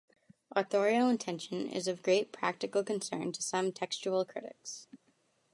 Authorial intention is of great practical concern to some textual critics.